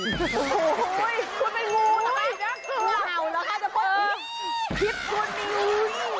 โอ้โฮคุณไม่รู้นะคะ